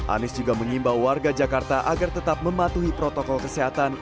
anies juga mengimbau warga jakarta agar tetap mematuhi protokol kesehatan